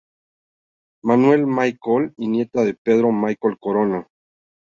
Manuel Michel y nieta de Pedro Michel Corona.